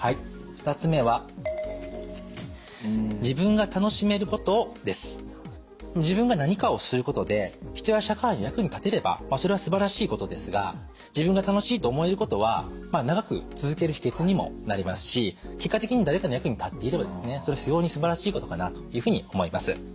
２つ目は自分が何かをすることで人や社会の役に立てればそれはすばらしいことですが自分が楽しいと思えることは長く続ける秘けつにもなりますし結果的に誰かの役に立っていればですね非常にすばらしいことかなというふうに思います。